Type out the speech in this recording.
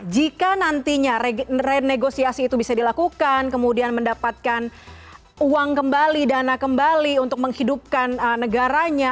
jika nantinya renegosiasi itu bisa dilakukan kemudian mendapatkan uang kembali dana kembali untuk menghidupkan negaranya